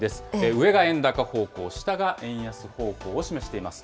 上が円高方向、下が円安方向を示しています。